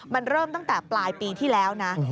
มันเริ่มตั้งแต่ปลายปีที่แล้วนะ